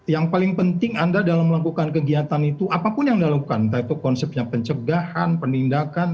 yang paling penting anda dalam melakukan kegiatan itu apapun yang anda lakukan entah itu konsepnya pencegahan penindakan